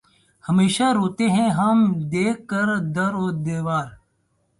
ہمیشہ روتے ہیں ہم دیکھ کر در و دیوار